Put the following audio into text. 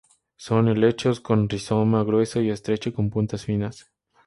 Son helechos con rizoma grueso y estrecho con puntas finas.